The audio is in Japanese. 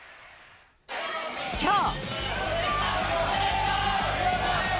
きょう。